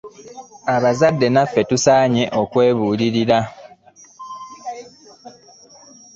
Abazadde naffe tusaanye okwebuulirira.